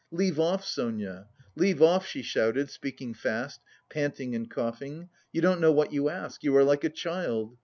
"Leave off, Sonia, leave off," she shouted, speaking fast, panting and coughing. "You don't know what you ask; you are like a child!